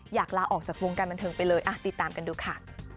ลาออกจากวงการบันเทิงไปเลยติดตามกันดูค่ะ